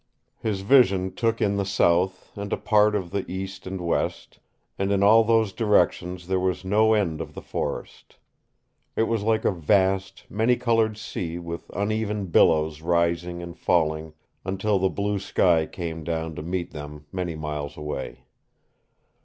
His vision took in the South and a part of the East and West, and in all those directions there was no end of the forest. It was like a vast, many colored sea with uneven billows rising and falling until the blue sky came down to meet them many miles away.